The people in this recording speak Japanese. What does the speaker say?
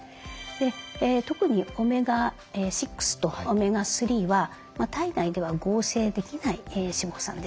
特にオメガ６とオメガ３は体内では合成できない脂肪酸です。